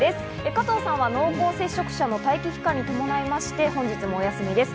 加藤さんは濃厚接触者の待機期間に伴いまして、本日もお休みです。